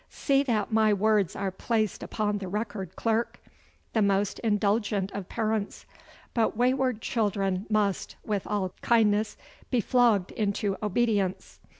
See that my words are placed upon the record, clerk! The most indulgent of parents! But wayward children must, with all kindness, be flogged into obedience.